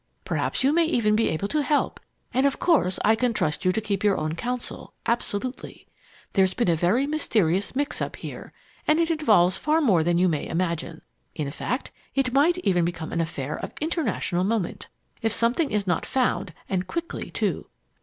Perhaps you may even be able to help, and of course I can trust you to keep your own counsel absolutely. There's been a very mysterious mix up here, and it involves far more than you may imagine. In fact, it might even become an affair of international moment if something is not found, and quickly too.